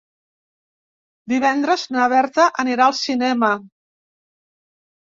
Divendres na Berta anirà al cinema.